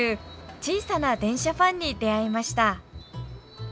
小さな電車ファンに出会いました。